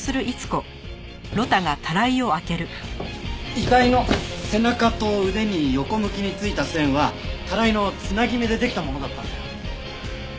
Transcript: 遺体の背中と腕に横向きに付いた線はタライの繋ぎ目でできたものだったんだよ。